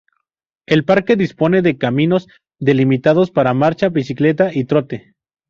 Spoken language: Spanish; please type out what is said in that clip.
El parque dispone de caminos delimitados para marcha, bicicleta y trote.